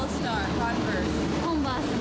コンバースも。